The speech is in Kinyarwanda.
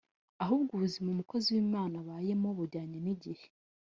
Ahubwo ubuzima umukozi w’Imana abayemo bujyanye n’igihe